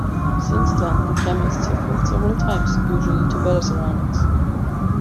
Since then, the chemists have moved several times, usually to better surroundings.